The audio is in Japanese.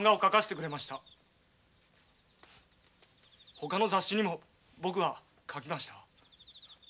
ほかの雑誌にも僕は描きました。